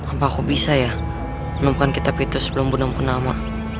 apakah aku bisa ya menemukan kitab itu sebelum menempuh nama